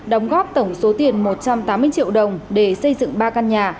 đóng góp tổng số tiền một trăm tám mươi triệu đồng để xây dựng ba căn nhà